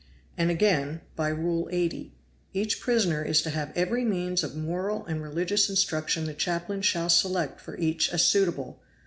And again, by 'Rule 80. Each prisoner is to have every means of moral and religious instruction the chaplain shall select for each as suitable.'